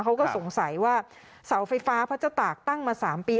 เขาก็สงสัยว่าเสาไฟฟ้าพระเจ้าตากตั้งมา๓ปี